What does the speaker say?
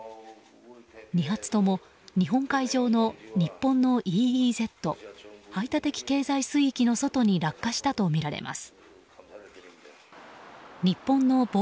２発とも日本海上の日本のＥＥＺ・排他的経済水域の外に落下したとみられます。